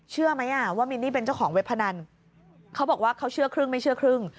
เชื่อไหมอ่ะว่ามินนี่เป็นเจ้าของเว็บพนันเขาบอกว่าเขาเชื่อครึ่งไม่เชื่อครึ่ง